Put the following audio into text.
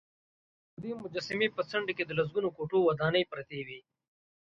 ددې مجسمې په څنډې کې د لسګونو کوټو ودانې پراته وې.